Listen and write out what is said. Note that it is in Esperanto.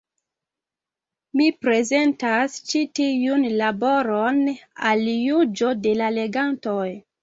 Mi prezentas ĉi tiun laboron al juĝo de la legantoj.